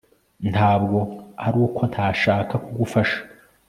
ntabwo ari uko ntashaka kugufasha